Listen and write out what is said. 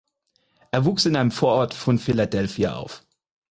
Er wuchs in einem Vorort von Philadelphia auf.